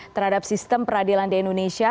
terhadap sistem peradilan di indonesia